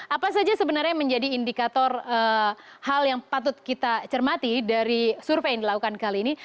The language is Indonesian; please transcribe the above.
apa saja sebenarnya menjadi indikator hal yang patut kita cermati dari survei yang dilakukan kali ini